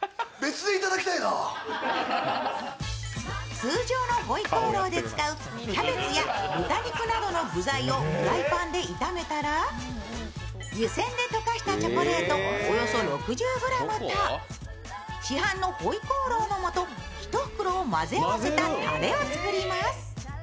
通常の回鍋肉で使うキャベツや豚肉などの具材をフライパンで炒めたら、湯せんで溶かしたチョコレートおよそ６０ｇと市販の回鍋肉の素１袋を混ぜ合わせたたれを作ります。